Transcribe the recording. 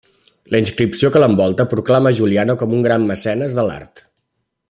La inscripció que l'envolta proclama a Juliana com un gran mecenes de l'art.